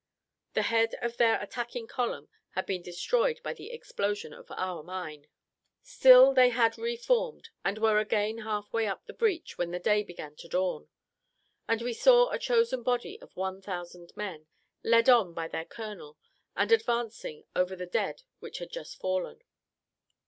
The head of their attacking column had been destroyed by the explosion of our mine. Still they had re formed, and were again half way up the breach when the day began to dawn; and we saw a chosen body of one thousand men, led on by their colonel, and advancing over the dead which had just fallen.